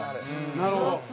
なるほど。